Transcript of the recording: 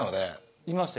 いました？